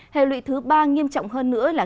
hệ lụy thứ ba nghiêm trọng hơn nữa là